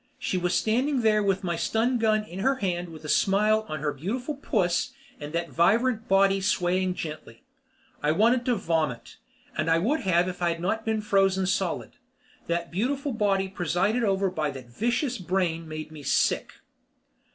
She was standing there with my stun gun in her hand with a smile on her beautiful puss and that vibrant body swaying gently. I wanted to vomit and I would have if I'd not been frozen solid. That beautiful body presided over by that vicious brain made me sick.